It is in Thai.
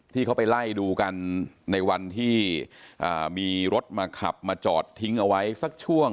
ที่เขาไปไล่ดูกันในวันที่มีรถมาขับมาจอดทิ้งเอาไว้สักช่วง